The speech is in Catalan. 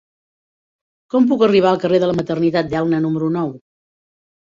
Com puc arribar al carrer de la Maternitat d'Elna número nou?